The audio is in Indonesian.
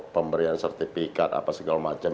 pemberian sertifikat apa segala macam